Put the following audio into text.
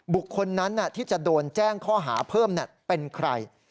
บุคคลนั้นที่จะโดนแจ้งข้อหาเพิ่มเป็นใคร